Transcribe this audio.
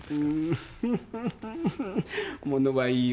ウフフフフ。